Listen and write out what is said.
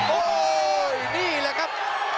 โอ้โหนี่แหละครับ